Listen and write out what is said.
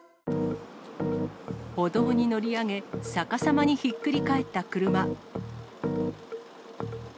歩道に乗り上げ、逆さまにひっくり返った車。